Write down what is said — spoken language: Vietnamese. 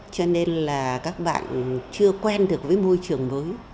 cho nên là các bạn chưa quen được với môi trường mới